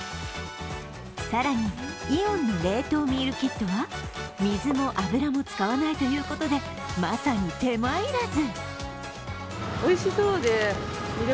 更にイオンの冷凍ミールキットは水も油も使わないということでまさに手間いらず！